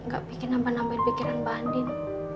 gak bikin nambah nambahin pikiran mbak andin